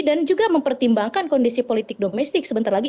dan juga mempertimbangkan kondisi politik domestik sebentar lagi